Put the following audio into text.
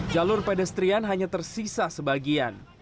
jalur pedestrian hanya tersisa sebagian